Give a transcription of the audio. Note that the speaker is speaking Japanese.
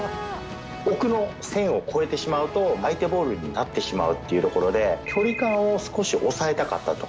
奥の線を越えてしまうと、相手ボールになってしまうというところで、距離感を少し抑えたかったと。